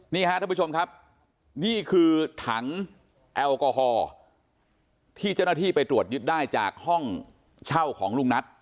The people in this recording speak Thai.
นี่ฮะท่านผู้ชมครับนี่คือถังแอลกอฮอล์ที่เจ้าหน้าที่ไปตรวจยึดได้จากห้องเช่าของลุงนัท